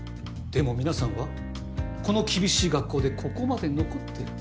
でも皆さんはこの厳しい学校でここまで残ってる。